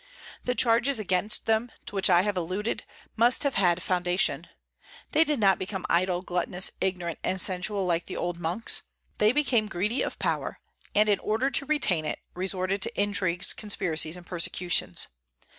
The charges against them, to which I have alluded, must have had foundation. They did not become idle, gluttonous, ignorant, and sensual like the old monks: they became greedy of power; and in order to retain it resorted to intrigues, conspiracies, and persecutions.